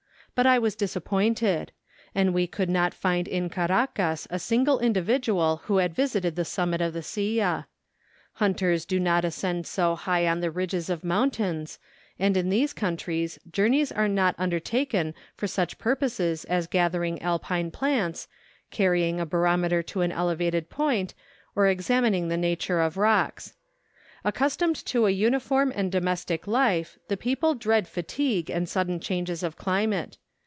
But I was disappointed; and we could not find in Caracas a single individual who had visited the sum¬ mit of the Silla. Hunters do not ascend so high on the ridges of mountains, and in these countries jour¬ neys are not undertaken for such purposes as gather¬ ing Alpine plants, carrying a barometer to an elevated point, or examining the nature of rocks. Accus¬ tomed to a uniform and domestic life, the people dread fatigue and sudden changes of climate.